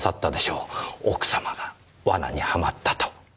奥様が罠にはまったと。